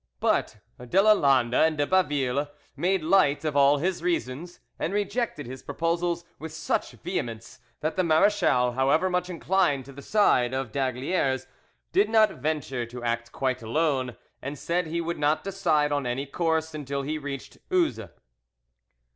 But de Lalande and de Baville made light of all his reasons, and rejected his proposals with such vehemence, that the marechal, however much inclined to the side of d'Aygaliers, did not venture to act quite alone, and said he would not decide on any course until he reached Uzes.